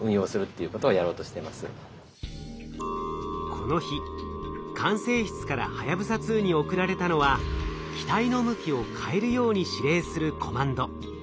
この日管制室からはやぶさ２に送られたのは機体の向きを変えるように指令するコマンド。